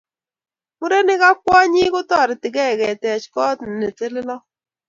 Mureniik ak kwonyiik kotoretigei koteech koot ne teleloot.